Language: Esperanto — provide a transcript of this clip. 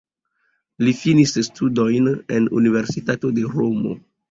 Li finis studojn en universitato de Romo.